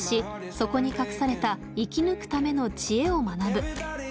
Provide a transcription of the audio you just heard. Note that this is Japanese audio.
そこに隠された生き抜くための知恵を学ぶ。